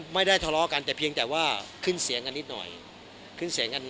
ไม่ได้ทะเลาะกันแต่เพียงแต่ว่าขึ้นเสียงกันนิดหน่อย